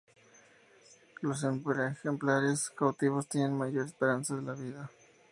Los ejemplares cautivos tienen mayor esperanza de vida.